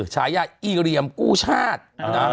ฉายาอีเหลี่ยมกู้ชาติ